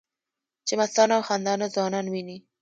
چې مستانه او خندانه ځوانان وینې